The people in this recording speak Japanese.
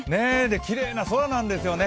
きれいな空なんですよね。